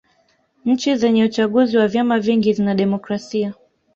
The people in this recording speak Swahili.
nchi zenye uchaguzi wa vyama vingi zina demokrasia